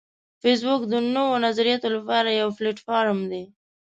فېسبوک د نوو نظریاتو لپاره یو پلیټ فارم دی